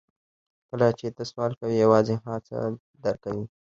کله چې ته سوال کوې یوازې هغه څه درکوي